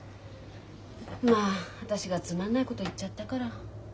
まあ私がつまんないこと言っちゃったから。